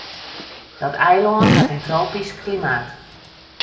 Dat eilân hat in tropysk klimaat.